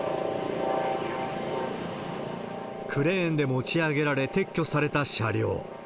クレーンで持ち上げられ、撤去された車両。